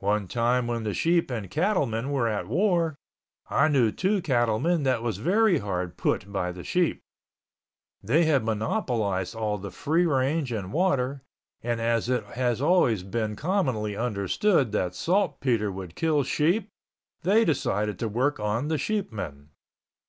One time when the sheep and cattlemen were at war, I knew two cattlemen that was very hard put by the sheep. They had monopolized all the free range and water, and as it has always been commonly understood that saltpeter would kill sheep, they decided to work on the sheepmen.